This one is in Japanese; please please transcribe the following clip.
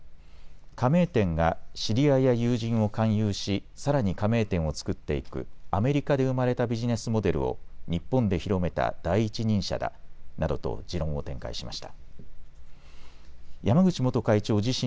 加盟店が知り合いや友人を勧誘しさらに加盟店を作っていくアメリカで生まれたビジネスモデルを日本で広めた第一人者だなどと持論を展開しました。